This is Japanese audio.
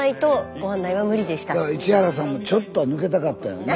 市原さんもちょっとは抜けたかったんやろね。